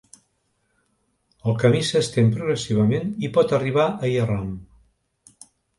El camí s'estén progressivament i pot arribar a Yarram.